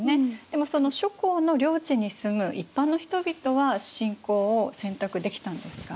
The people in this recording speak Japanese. でもその諸侯の領地に住む一般の人々は信仰を選択できたんですか？